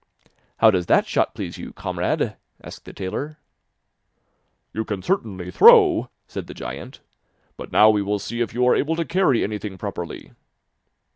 'How does that shot please you, comrade?' asked the tailor. 'You can certainly throw,' said the giant, 'but now we will see if you are able to carry anything properly.